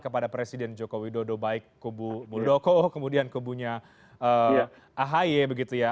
kepada presiden joko widodo baik kubu muldoko kemudian kubunya ahy begitu ya